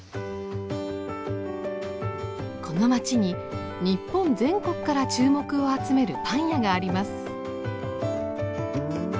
この町に日本全国から注目を集めるパン屋があります。